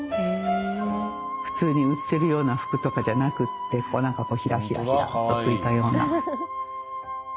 普通に売ってるような服とかじゃなくってこうなんかヒラヒラヒラッと付いたような。